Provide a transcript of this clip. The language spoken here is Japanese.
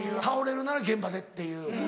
倒れるなら現場でっていう。